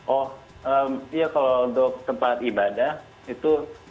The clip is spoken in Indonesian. oh iya kalau untuk tempat ibadah itu